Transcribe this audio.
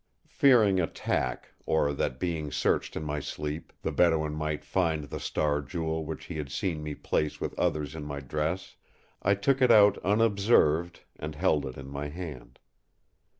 Fearing attack, or that being searched in my sleep the Bedouin might find the Star Jewel which he had seen me place with others in my dress, I took it out unobserved and held it in my hand.